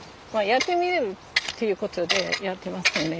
やってみるっていう事でやってますよね。